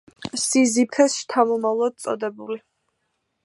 სიზიფეს შთამომავლად წოდებული.